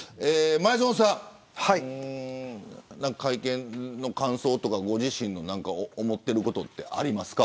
前園さん、会見の感想とかご自身の思っていることとかありますか。